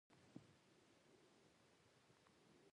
په افغانستان کې د بامیان د پرمختګ لپاره هڅې روانې دي.